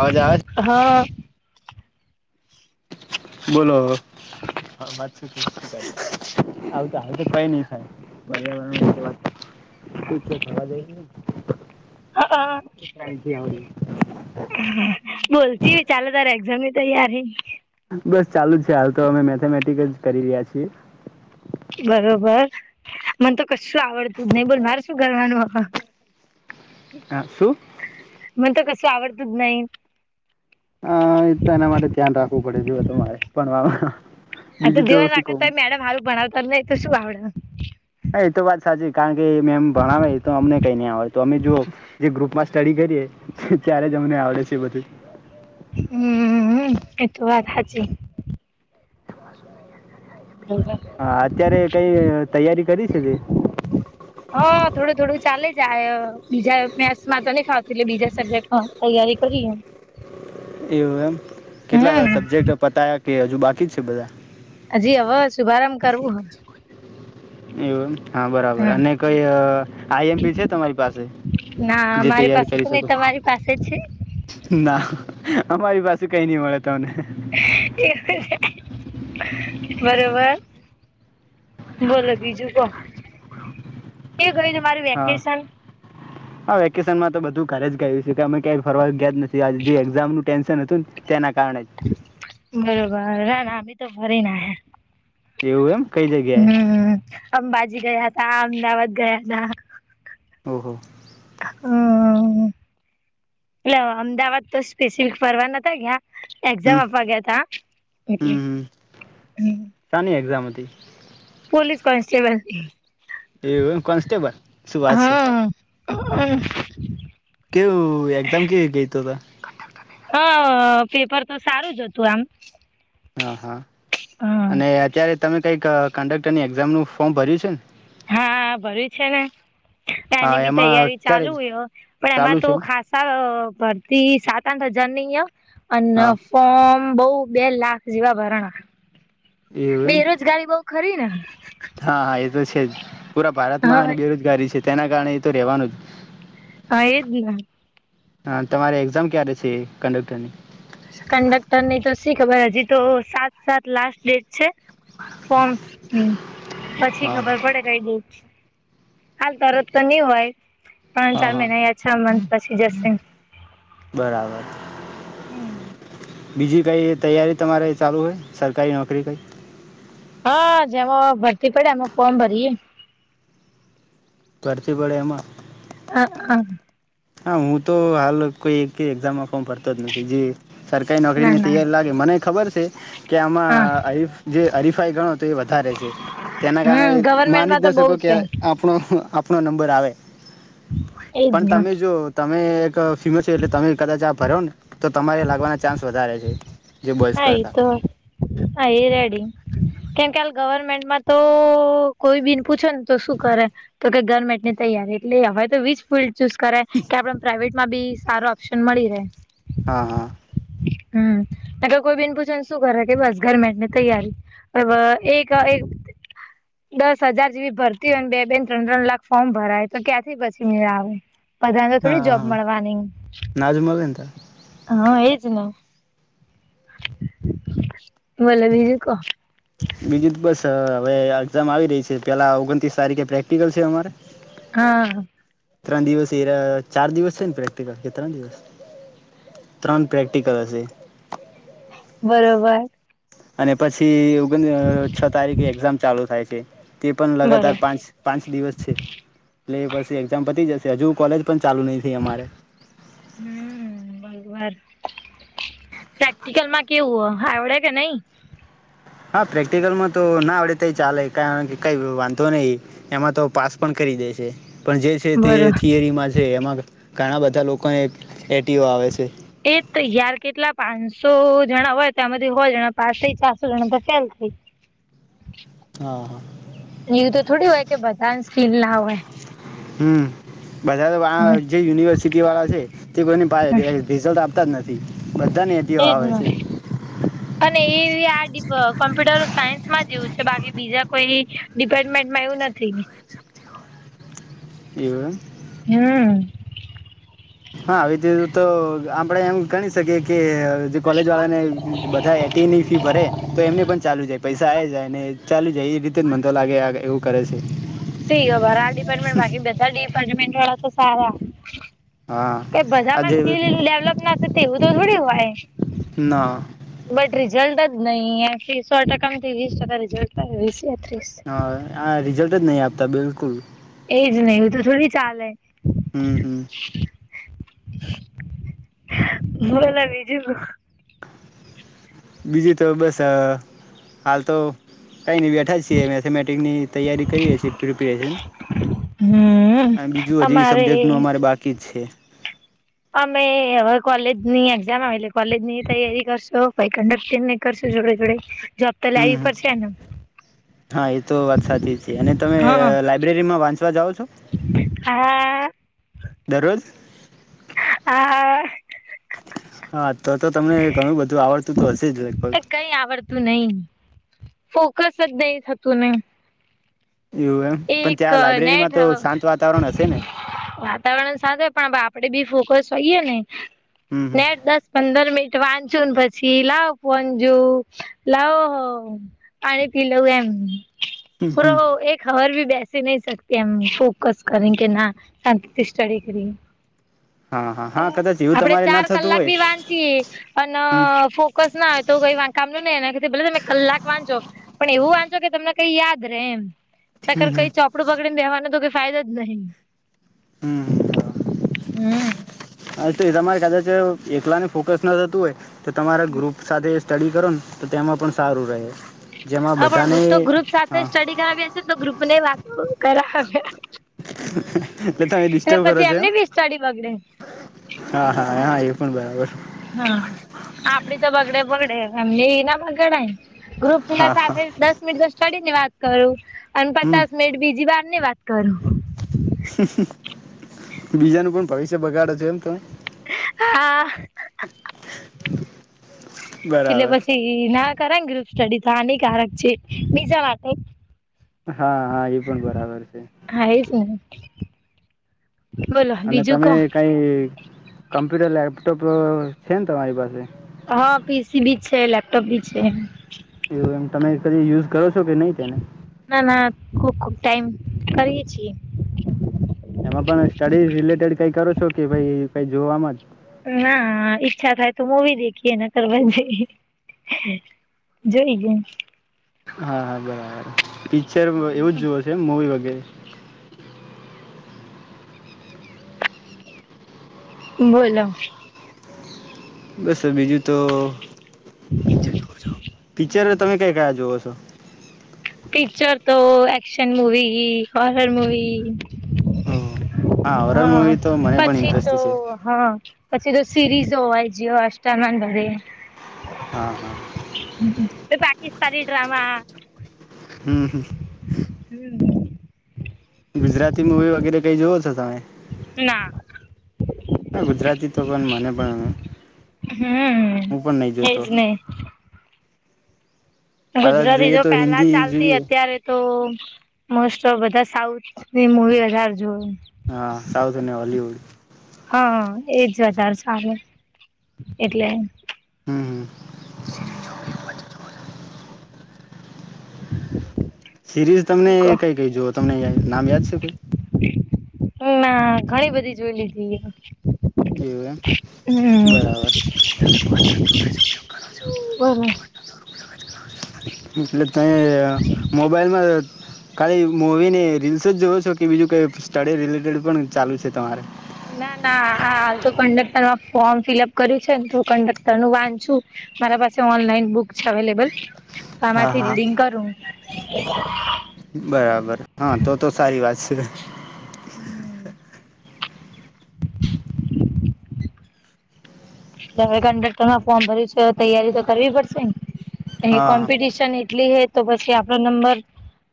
અવાજ આવે છે? હા બોલો અવે [unintelligible] આવુ તો આવુ તો કાય નહી થાય પર્યાવરણ વાત હા બોલચ ચાલે તાર એઝામ [inaudible] તૈયારી. બસ ચાલુ જ છે હાલ તો અમે મેથેમેટિક જ કરી રહ્યા છીએ. બરોબર મને તો કશું આવડતું જ નહી બોલ મારે શું કરવાનું હવે. શું. મને તો કસું આવવડતું જ નહી. હા એ તો એના માટે ધ્યાન રાખવું પડે જોુએ તમારે. પણવા આ તો દેવાન રાખાતોય મેડમ હારું ભણવતા નઈ તો શું આવડે. એ તો વાત સાચી કારણ કે મેમ ભણાવે તો અમને કઈ નં આવેય તો અમે જોઓ જે ગ્રુપમાં સ્ટડી કરીએ ત્યારે જ અમને આવડે છે બધું. હમ એ તો વાત હજી હા અત્યારે કઈ તૈયારી કરી છે તે હા થોડું થોડું ચાલે જ. બીજા મેથમાં તો નહી ખાવતું એટ બીજા સબ્જેક્ટમાં તૈયારી કરી. એવું એમ કેટલા સબ્જેક્ટ પતાયા. કે હજુ બાકી જ છે બધા. હજી હવે શુભારંભ કરવું એવું. હા બરાબર અને હ કઈ આઈ એમપી છે તમારી પાસે ના જે મારી તૈયાર પાસે તો કરી નહી શકો તમારી પાસે છે ના. અમારી પાસે કઈ નહીં મળે. ત અને. બરોબર બોલો બીજું કો. તમારું હા વેકેશન? હા વેકેશન માં તો બધું ઘરે જ ગયું છે કે અમે કઈ ફરવા ગયાજ નથી. જે એક્ઝામ નનું ટેન્ [inaudible] બરોબર રા [unintelligible] મી તો ભરીને આયા જ એવું એમ કઈ જગ્યાએ હમ અંબાજી ગયા હતા. ત અમદાવાદ ગયા હતા. ઓહ. હમ એટલે અમદાવાદ તો સ્પેસિફિક ફરવા નતા ગયા. એક્ઝામ હમ આપવા ગયા ત હ. હમ હમ શાની [inaudible] પોલીસ કોન્સ્ટેબલ એવું એમ કોન્સ્ટેબલ શું વાત છે. [unintelligible] કેવું એક્ઝામ કેવી ગય તો ત હ પેપર તો સારું જ હતું આમ હા હા અને અત્યારે તમે કઈક કંડક્ટર ની એક્ઝામ નું ફોર્મ ભર્યું છે ને હા ભર્યું છે ને હા એની બી એમાં તૈયારી ક્યારે ચાલુ હોય પણ ચાલુ એમાં તો છે ખાસા ભરતી સાત આઠ હજારની અને હા ફોમ બહ બે લાખ જેવા ભરાણા એવું એમ બેરોજગારી બઉ ખરી ને હા હા એ તો છે જ પુરા હા ભારતમાંને બેરોજગારી છે તેના કારણે એ તો રહેેવાનું જ હા એજ ને હ તમારી એક્ઝામ ક્યારે છે કંડક્ટરની કંડક્ટર ની તો શી ખબર હજી તો સાત સાત લાસ્ટ ડેટ છે ફોર્મની પછી હા ખબર પડે કઈ ડેટ હાલ તરત તો નઈ હોય ત્રણ હા ચાર હા મહિના યા છ મથ પછી જશે બરાબર હમ્મ બીજી કંઈ તૈયારી તમારે ચાલુ હોય સરકારી નોકરી કંઈ હા જેમાં ભરતી પડે એમાં ફોર્મ ભરીએે ભરતી પળે એમાં હ હ હા હું તો હાલ કોઈ એકે એઝામ ફોર્મ ભરતો જ નથી જે સરકારી ના નોકરીની ના તૈયારી લાગે મને ખબર છે કે આમાં હા હરીફાઈ ગણત તો એ વધારે છે તેના કારણે હમ ગવર્મેન્ટમાં માની જ તો ન બઉ શકો કે આપણો આપડો આપનો નંબર આવે પણ એજને તમે જો તમે એક ફેમેલ છો એટલે તમે કદાચ આ ભરોને તો તમારે લાગવાના ચાન્સ વધારે છે જે હ બોઈસ કરતા તો હા એ રેડી કેમ કાલ ગવર્મેન્ટમાં તો કોઈ બીન પૂછો ને તો શું કરે તો કે ગવર્મેન્ટની તૈયારી એટલે હવે તો વીજ ફિલ્લડ ચૂઝ કરે કે આપડે પ્રાઈવેટ માં બી સારો ઓપ્શન મળી રહે હા હા હમ ત કોઈ બેન પૂછેને શું કર કે બસ ગરમેન્ટની તૈયારી એક દસ હજાર જેવી ભરતી હોય બે બેન ત્રણ ત્રણ લાખ ફોર્મ ભરાય તો ક્યાંથી પછી મે આવે બધા તો હા થોડી જોબ હા મળવાની ના જ મળે ને ત હા એજ ને ભલે બીજું કો બીજું બસ હવે એક્ઝામ આવી રહી છે પેલા ઓગણત્રીસ તારીખે પ્રેક્ટિકલ છે અમારે હા ત્રણ દિવસ એ ચાર દિવસ છે ને પ્રેક્ટિકલ કે ત્રણ દિવસ ત્રણ પ્રેક્ટિકલ હશે બરોબર અને પછી ઓગ છ તારીખે એક્ઝામ ચાલુ થાય છે તે પણ બરોબર. લગાતાર પાંચ પાંચ દિવસ છે એટલે પછી એક્ઝામ પતી જશે હજુ ક કોલેજ ચાલુ નહી થઈ અમારે પ્રેક્ટિકલ માં કેવું હો આવડે કે નહી હા પ્રેક્ટિકલમાં તો ના આવડે તો ચાલે કારણ કે કઈ વાંધો નહીં એમાં તો પાસ પણ કરી દે છે પણ જે છે તે બરોબર. થિયરીમાં છે એમાં ઘણા બધા લોકોને એટ એ તૈયાર કેટલા પાંસો [unintelligible] હા હા એ તો થોડી હોય કે બધા સ્ટીલ ના હોય હું બધા વા જે યુનિવર્સિટી વાળા છે તે કોઈનેસે રિઝલ્ટ આપતા જ નથી બધાને એટીવા એજ આવે ને છે અને એ આ કોમ્પ્યુટર સાયન્સમાં જ એવું છે બાકી બીજા કોઈ ડિપાર્ટમેન્ટમાં એવું નથી [unintelligible] હમ હા આવી તીધું તો આપડે એમ ગણી શકીએ કે અજી કોલેજ વાળા ને બધા એટી ની ફી ભરે તો એમને પણ ચાલુ જાય પૈસા આ જાય ને ચાલી જાય એ રીતે જ મંદતો લાગે આ એવું કરે છે [unintelligible] બળા તો સારા હા કઈ બધા માં આજે સ્કીલ એલું ડેવલપ ના થતી હોય તો થોડી હોય ના બટ રિઝલ્ટ નહી એથી સો ટકામાં વીસ ટકા રિઝર્તાસ હ હ રિઝલ્ટ નહી આપતા બિલકુલ એજ ને હ તો થોડી ચાલ હ હું હું [unintelligible] બીજું તો બસ હાલ તો કઈ નહી બેઠા છીએ મેથેમેટિકની તૈયારી કરીએ છીએ પ્રિપેરેશન હમ બીજું હજી અમારે સબ્જેક્ટ નું અમારે બાકી જ છે. અમે હવે કોલેજની એક્ઝામ આવે કોલેજની તૈયારી કરશો કંક કરશો જોડે જોડે જોબ તો હમ્મ લાવવી પડશે ને હમ હા એતો વાત સાચી છે અને તમે હા લાઈબ્રેરીમાં વાંચવા જાઓ છો. આ દરરોજ. આ હા તો તો તમને ઘણું બધું આવડતું તો હશે જ લગભગ. કઈ આવડતું નહી ફોકસ જ નહી થતું નને. એવું એમ પણ એક ત્યાં લાઈબ્રેરીમાં નેઠ તો શાંત વાતાવરણ હશે ને વાતાવરણ સાથે પણ આપડે બી ફોકસ સહી એને. હમ ને દસ પંદર મિનિટ વાંધ પછી લાવ પંજું લાવ પાણી પી લઉ એમ. હમ્મ હમ્મ. ભી બેસી નહી શકતીમ ફોકસ કરે કે ના શાંત સ્ટડી કરીએ. હા હા હા કદાચ એવું આપડે તમારે ના ચાર થતું કલાક હોય ભી વાંચીએ અને હમ ફોકસ ના હોય તો કઈ વાકામ ન નને ભ તમે કલાક વાંચો પણ એવું વાંચ કે તમને કઈ યાદ રે એમ. તર હમ હમ કઈ ચોપડું બગડીનેવાનું તો કે ફાયદ જ નહી. હમ્મ તો. હમ્મ. હા તો એ તમારે કદાચ એકલાને ફોકસ ના થતું હોય તો તમારા ગ્રુપ સાથે સ્ટડી કરો ને તો તેમાં પણ સારું રહે. જેમાં હા પણ બધાને હું તો ગ્રુપ સાથે હા સ્ટડી કરાવ્યા છ ને તો ગ્રુપ ને વાત કર [inaudible] એટલે તમે ડિસ્ટર્બ કરો છોમ એમની બી સ્ટડી બગડે હા હા આવ પણ બરાબર. હા આપ આપડી તો બગડે બગડે એમી ના બગડા ગ્રુપ તુલા હા સા હા દસ મનિટ ચડીની વાત કરું. અને હમ પચાસ મિનિટ બીજી વાર ધન્ય વાત કરો. [inaudible] બીજાનું પણ ભવિષ્ય બગાડે જ જેમ ત હા એટલે બસ એ ના કરે ને ગ્રુપ સ્ટડી તો હાનિકારક છે બીજા માટે હા હા એ પણ બરાબર છે. હા એજ ને બોલો અને બીજું તમે કો કઈ કમ્પ્યુટર લેપટોપ છે ને તમારી પાસે. હા પીસી ભી છે લેપટોપ ભી છે. એ એમ તમે કદી યુઝ કરો છો કે નહીં તેને ના ના ખુબ ખુબ ટાઈમ કરએ છીએ. એમાં પણ સ્ટડી રિલેટેડ કઈ કરો છો કે પહી કઈ જોવાવામાં જ ના ઈચ્છા થાય તો મુવી દેખીએને તરબઈ જોઈ ગમ. હા હા બરાબર પિક્ચર એવું જ જોવે છે મુવી વ [inaudible] બોલો. બસ બીજું તો પિક્ચર તમે કઈ કયા જોવો છો? પિકચર તો એક્શન મૂવી હોરર મૂવી ઓહ હોરર હા મૂવી તો મને પણ પછી તો ઇન્ટરેસ્ટ છે હા. પછી તો સિરીઝ જોવાય જીઓ હોસ્ટરના જોડે. હા હા કિસ્તાની ડ્રામા. હમ હ. [inaudible] ગુજરાતી મૂવી વગેરે કઈ જોવો છો તમે. ના હા ગુજરાતી તો પણ મને પણ હમ હું પણ નહી એજ જોતો ને. કદાચ ગુજરાતી જોઈએ જો તો પેલા હિન્દી ચાલતી જોઈએ અત્યારે તો મોસ્ટ ઓફ બધા સાઉથની મુવી હજાર જોય. હા સાઉથ અને વોલીવુડ. હા એજ વધારે સારું એટલે હમ હ. હમ. સિરીઝ તમને બીજું કો કઈ કઈ જોુઓ તમને નામ યાદ છે કોઈ ના ઘણી બધી જોઈ લીધી એવું એ હમ બરાબર બરોબર એટલે તમે મોબાઈલમાં ખાલી મૂવીને રીલ્સ જ જોવ છો કે બીજું કઈ સ્ટડી રિલેટેડ પણ ચાલુ છે તમારે ના ના હાલ તો કંડક્ટર માં ફોર્મ ફિલઅપ કર્યું છે ને તો કંડક્ટર નું વાંધ છુ મારા પાસે ઓનલાઈન બુક છે અવેલેબલ તો હા આમાંથી હા રીડિંગ કરું [inaudible] બરાબર હા તો તો સારી વાત છે તે હમ હવે કંડક્ટરમાં ફોર્મ ભર્યું છે તૈયારી તો કરવી પડશે એ હા કોમ્પિટિશન એટલી હ તો પછી આપડો નંબર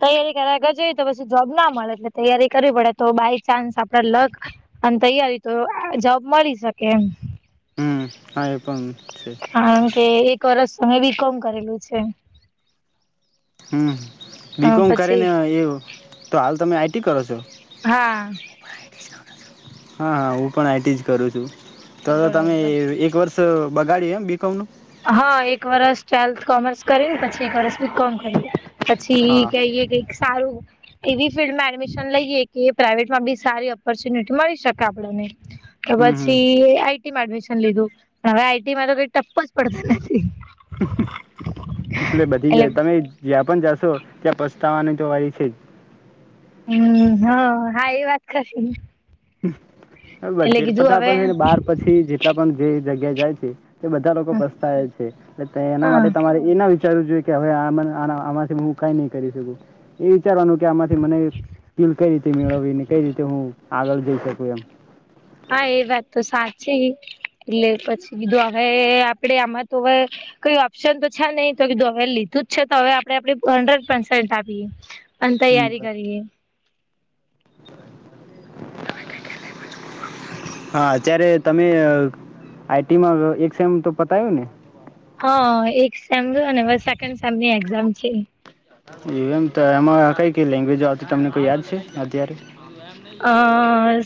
તૈયારી કર જવી તો પછી જોબ ના મળે એટલે તૈયારી કરવી પડે તો બાય ચાન્સ આપડે લક અને તૈયારી તો જોબ મળી શકે હમ હા એ પણ છે કારણ કે એક વરષ તમે બી કોમ કરેલું છે હમ બીકોમ કરે પછી ને એ તો હાલ તમે આઈ એ કર છો હા હા હા હું પણ આઈટી જ કરું છું તો તમે બરોબર એક વર્ષ બ બગાડી એમ બી કઉુંનું. હા એક વરસ ટ્વેલ્થ કોમર્સ કર પછી એક વર્સ બી કોમ કર પછી એ હા કઈ કઈ સારું એવી ફિલ્ડમાં એડમિશન લઈએ કે પ્રાઇવેટમાં બી સારી ઓપોર્ચ્યુનિટી મળી શકે આપણને તો હમ હમ પછી આઈ એડમિશન લીધું હવે આઈટીમાં તો ક ટપ્પ પતાના છેી એટલે બધી જાય તમે પણ જાશો ત્યાં પછતાવાની તો વાળ છે જ હમ હ હા એ વાત કરી હમ હજેરપટા પણ છે ને બાર પછી જેટલા પણ જે જગ્યા જાય છે કે બધા લોકો પસ્તાય છે એટ એના હા માટે તમારે એના વિ વિચારવું જોઈએ કે હવે આમાંથી હું કઈ નહી કરી શકું એ વિચારવાનું કે આમાંથી મને સ્કીલ કઈ રીતે મેળવીને કઈ રીતે હું આગળ જઈ શકું એમ પી એટલે પછીધું હવે આપડે આમાં તો હવે કઈ ઓપ્શન તો છે નહીિ તોધ હવે લીધું જ છે તો હવે આપણેે આપે હંડ્રેડ પસેન્ટ આપીએ અને એમ. તૈયારી કરીએ [inaudible] હા અત્યારે તમે આઈ ટી માં એક સેમ તો પતાયું ને હા એક [unintelligible] છે એમ તો એમાં કઈ કઈ લેંગ્વેજો આવતી તમને કોઈ યાદ છે અત્યારે અ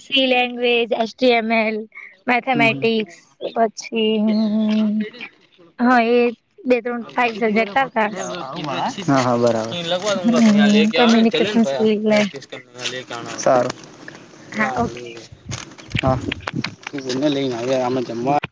C [unintelligible] S T M L હમ હમ મેથેમેટિક્સ પછી હમ્મ હ એ બે ત્રણ [unintelligible] [unintelligible] સારુ [unintelligible] હમ કમ્યુનિકેશન સ્કીલ ને હા ઓકે હા [inaudible] લઈને આવે અમે જમવા